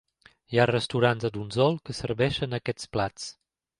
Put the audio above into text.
Hi ha restaurants a Donsol que serveixen aquests plats.